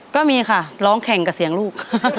ก็มีค่ะร้องแข่งกับเสียงลูก